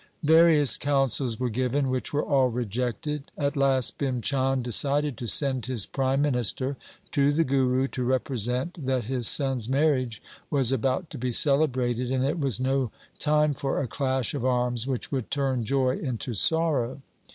Various counsels were given, which were all rejected. At last Bhim Chand decided to send his prime minister to the Guru to represent that his son's marriage was about to be celebrated, and it was no time for a clash of arms which would turn joy into sorrow.